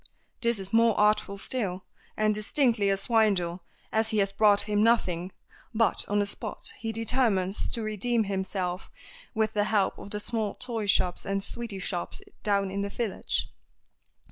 This is more artful still, and distinctly a swindle, as he has brought him nothing, but on the spot he determines to redeem himself with the help of the small toy shops and sweety shops down in the village.